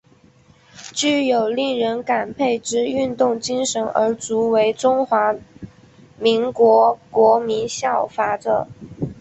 具有令人感佩之运动精神而足为中华民国国民效法者。